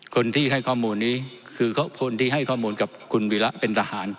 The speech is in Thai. คนที่ให้ข้อมูลนี้คือคนที่ให้ข้อมูลกับคุณวีระเป็นทหาร